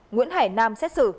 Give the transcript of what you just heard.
nguyễn hải nam